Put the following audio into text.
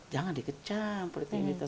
jangan dikecam politik identitas